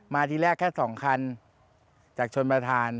ทีแรกแค่๒คันจากชนประธาน